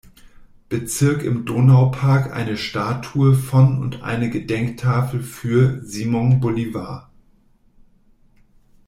Bezirk im Donaupark eine Statue von und eine Gedenktafel für Simón Bolívar.